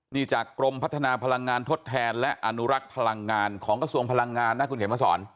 นี่จากกรมพัฒนาพลังงานทดแทนและอนุรักษ์พลังงานของกระทรวงพลังงานนะคุณเขียนมาสอน